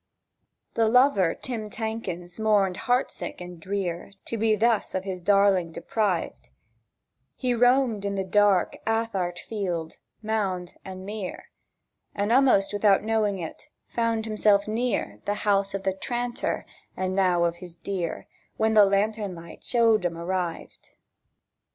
The lover Tim Tankens mourned heart sick and drear To be thus of his darling deprived: He roamed in the dark ath'art field, mound, and mere, And, a'most without knowing it, found himself near The house of the tranter, and now of his Dear, Where the lantern light showed 'em arrived.